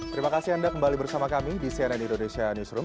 terima kasih anda kembali bersama kami di cnn indonesia newsroom